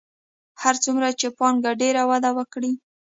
هر څومره چې پانګه ډېره وده وکړي